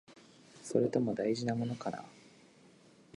それとも、大事なものかな？